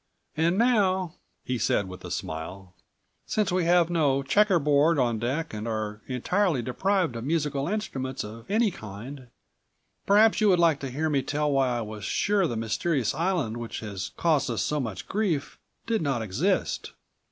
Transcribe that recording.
"And now," he said with a smile, "since we have no checker board on deck and are entirely deprived of musical instruments of any kind, perhaps you would like to hear me tell why I was sure the mysterious island which has caused us so much grief, did not exist."